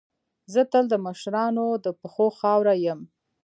زه تل د مشرانو د پښو خاوره یم.